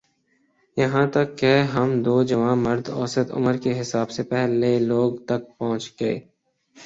یہاں تک کہہ ہم دو جواںمرد اوسط عمر کے حساب سے پہل لے لوگ تک پہنچ گئے